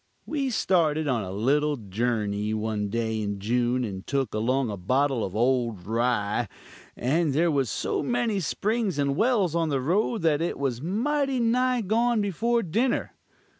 We started on a little jurney one day in June, and took along a bottle of "old rye," and there was so many springs and wells on the road that it was mighty nigh gone before dinner.